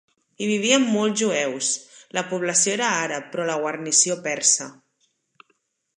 Hi vivien molts jueus; la població era àrab però la guarnició persa.